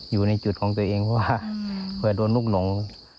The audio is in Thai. อยู่ในจุดของตัวเองเพราะว่าเผื่อโดนลูกหลง